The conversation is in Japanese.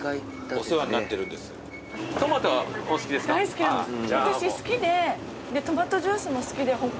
私好きでトマトジュースも好きで。